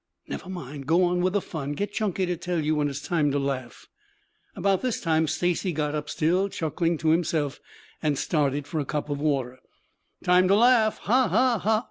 "Never mind. Go on with the fun. Get Chunky to tell you when it is time to laugh." About this time Stacy got up, still chuckling to himself, and started for a cup of water. "Time to laugh. Ha, ha!